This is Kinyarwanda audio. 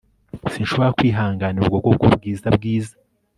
Sinshobora kwihanganira ubwo bwoko bwizabwiza